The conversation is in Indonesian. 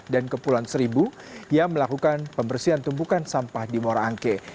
dan kepulauan seribu yang melakukan pembersihan tumbukan sampah di muara angke